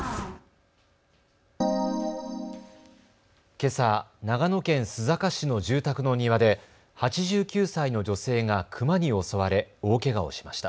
けさ、長野県須坂市の住宅の庭で８９歳の女性がクマに襲われ大けがをしました。